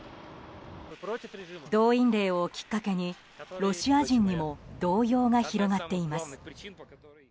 動員令をきっかけにロシア人にも動揺が広がっています。